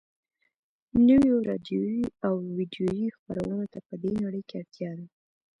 نویو راډیویي او ويډیویي خپرونو ته په دې نړۍ کې اړتیا ده